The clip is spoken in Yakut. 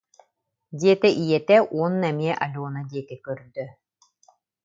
диэтэ ийэтэ уонна эмиэ Алена диэки көрдө